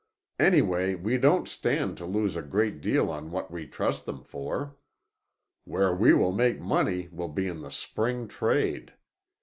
Anyway, we don't stand to lose a great deal on what we trust them for. Where we will make money will be in the spring trade.